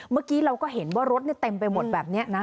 เมื่อกี้เราก็เห็นว่ารถเต็มไปหมดแบบนี้นะ